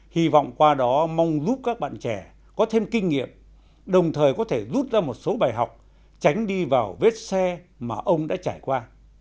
hy vọng qua đó mong giúp các bạn trẻ có thêm kinh nghiệm đồng thời có thể rút ra một số bài học tránh đi vào vết xe mà ông đã trải qua